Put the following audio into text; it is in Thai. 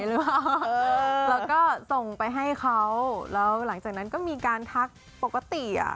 แล้วก็ส่งไปให้เขาแล้วหลังจากนั้นก็มีการทักปกติอ่ะ